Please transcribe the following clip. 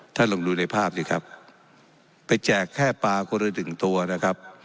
ลองดูในภาพสิครับไปแจกแค่ปลาคนละหนึ่งตัวนะครับ